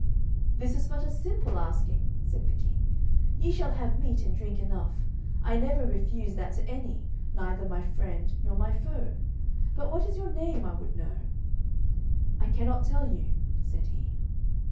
"This is but a simple asking," said the King; "ye shall have meat and drink enough; I never refuse that to any, neither my friend nor my foe. But what is your name I would know?" "I cannot tell you," said he.